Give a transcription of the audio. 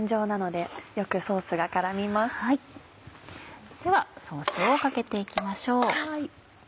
ではソースをかけて行きましょう。